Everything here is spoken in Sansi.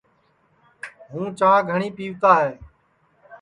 ہوں چاں سپا گھٹؔی پیوتا ہے